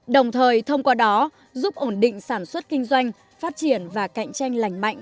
đồng thời thông qua đó giúp ổn định sản xuất kinh doanh phát triển và kinh doanh